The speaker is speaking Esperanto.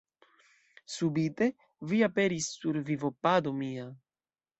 Subite vi aperis sur vivopado mia.